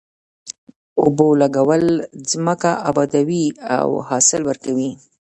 اوبو لګول ځمکه ابادوي او حاصل ورکوي.